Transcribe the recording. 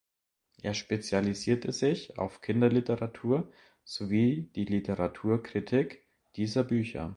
Er spezialisierte sich auf Kinderliteratur sowie die Literaturkritik dieser Bücher.